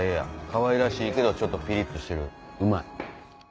かわいらしいけどピリっとしてるうまい。